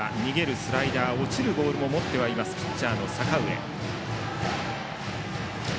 スライダー落ちるボールも持っているピッチャーの阪上。